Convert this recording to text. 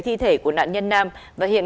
thi thể của nạn nhân nam và hiện